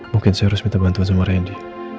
mungkin saya harus minta bantuan sama randy